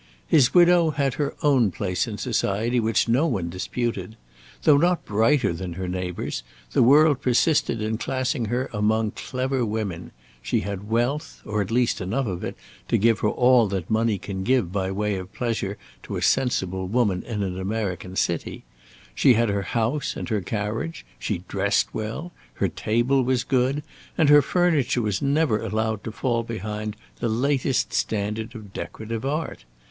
His widow had her own place in society which no one disputed. Though not brighter than her neighbours, the world persisted in classing her among clever women; she had wealth, or at least enough of it to give her all that money can give by way of pleasure to a sensible woman in an American city; she had her house and her carriage; she dressed well; her table was good, and her furniture was never allowed to fall behind the latest standard of decorative art.